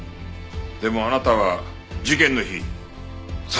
でもあなたは事件の日殺害現場にいた。